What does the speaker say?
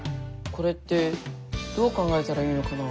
これってどう考えたらいいのかな？